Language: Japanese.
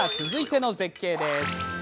続いての絶景です。